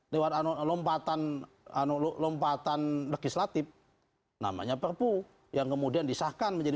lewat anu lompatan anu lompatan legislatif namanya perbu yang kemudian disahkan menjadi